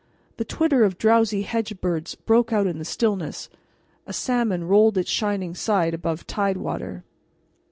The twitter of drowsy hedge birds broke out in the stillness; a salmon rolled its shining side above tidewater.